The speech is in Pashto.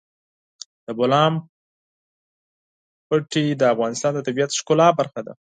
د بولان پټي د افغانستان د طبیعت د ښکلا برخه ده.